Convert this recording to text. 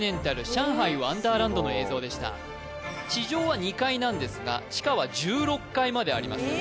上海ワンダーランドの映像でした地上は２階なんですが地下は１６階まであります